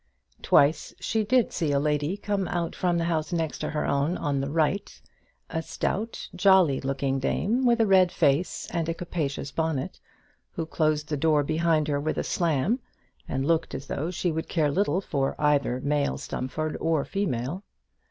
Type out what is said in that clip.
Twice she did see a lady come out from the house next her own on the right, a stout jolly looking dame, with a red face and a capacious bonnet, who closed the door behind her with a slam, and looked as though she would care little for either male Stumfold or female.